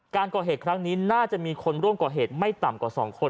การก่อเหตุครั้งนี้น่าจะมีคนร่วมก่อเหตุไม่ต่ำกว่า๒คน